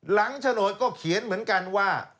โฉนดก็เขียนเหมือนกันว่า